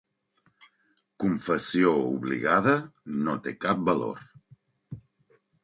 Confessió obligada no té cap valor.